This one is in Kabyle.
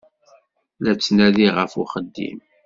La ttnadiɣ ɣef uxeddim.